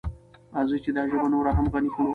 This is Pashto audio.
راځئ چې دا ژبه نوره هم غني کړو.